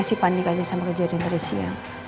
masih panik aja sama kejadian tadi siang